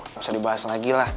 nggak usah dibahas lagi lah